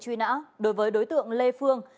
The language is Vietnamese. truy nã đối với đối tượng lê phương